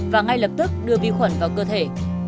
và ngay lập tức đưa vi khuẩn vào cơ thể